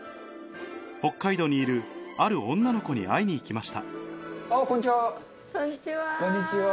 北海道にいるある女の子に会いに行きましたこんにちは。